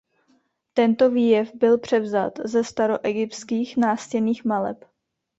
Tento výjev byl převzat ze staroegyptských nástěnných maleb.